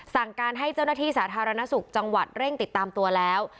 สั่งการให้เจ้าหน้าที่สาธารณสุขจังหวัดเร่งติดตามตัวแล้ว